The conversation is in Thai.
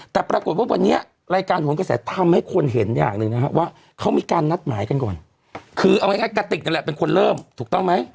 แต่ปรากฏว่าวันนี้รายการหวนกระแสทำให้คนเห็นอย่างหนึ่งนะครับว่าเขามีการนัดหมายกันก่อนคือเอาง่ายกระติกนั่นแหละเป็นคนเริ่มถูกต้องไหม